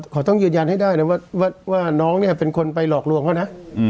เขาต้องยืนยันให้ได้นะว่าน้องเนี่ยเป็นคนไปหลอกลวงเขานะ